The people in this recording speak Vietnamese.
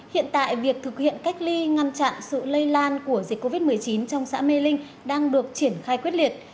hiện tại việc thực hiện cách ly ngăn chặn sự lây lan của dịch covid một mươi chín trong xã mê linh đang được triển khai quyết liệt